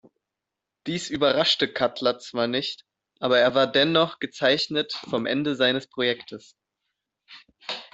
Dies überraschte Cutler zwar nicht, aber er war dennoch gezeichnet vom Ende seines Projekts.